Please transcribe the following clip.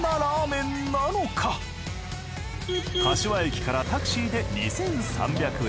柏駅からタクシーで２，３００円。